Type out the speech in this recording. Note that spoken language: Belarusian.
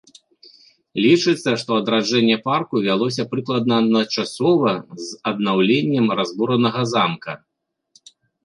Лічыцца, што адраджэнне парку вялося прыкладна адначасова з аднаўленнем разбуранага замка.